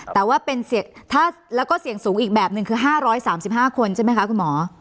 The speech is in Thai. แต่ว่าแล้วก็เสี่ยงสูงอีกแบบหนึ่งคือ๕๓๕คนใช่ไหมคะคุณหมอ